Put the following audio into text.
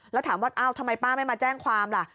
แล้วถามว่าอ้าวทำไมป้าไม่มาแจ้งความล่ะ